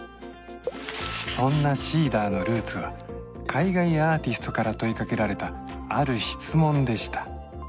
そんなＳｅｅｄｅｒのルーツは海外アーティストから問いかけられたある質問でした